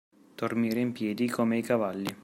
Dormire in piedi come i cavalli.